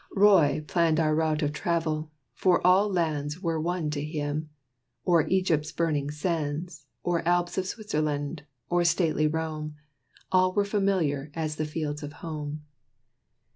Roy planned our route of travel: for all lands Were one to him. Or Egypt's burning sands, Or Alps of Switzerland, or stately Rome, All were familiar as the fields of home.